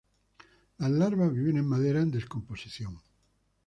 Las larvas viven en madera en descomposición.